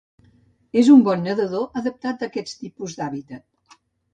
És un bon nedador adaptat a aquest tipus d'hàbitat.